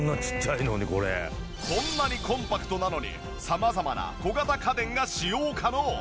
こんなにコンパクトなのに様々な小型家電が使用可能。